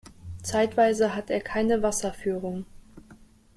Zeitweise hat er keine Wasserführung.